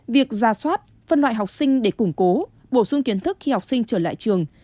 việc ra soát phân loại học sinh để củng cố bổ sung kiến thức khi học sinh trở lại trường